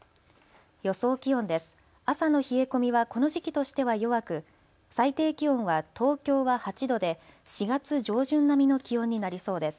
予想気温です。